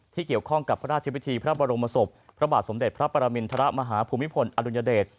เกี่ยวข้องกับพระราชพิธีพระบรมศพพระบาทสมเด็จพระปรมินทรมาฮภูมิพลอดุลยเดช